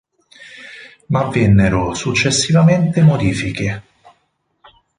Ma vennero successivamente modifiche.